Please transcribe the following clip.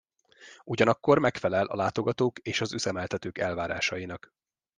Ugyanakkor megfelel a látogatók és az üzemeltetők elvárásainak.